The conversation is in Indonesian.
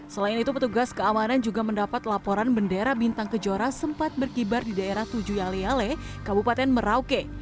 selain itu petugas keamanan juga mendapat laporan bendera bintang kejora sempat berkibar di daerah tujuh yale yale kabupaten merauke